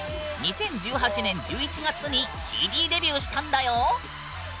２０１８年１１月にＣＤデビューしたんだよ。